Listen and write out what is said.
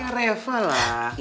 ya reva lah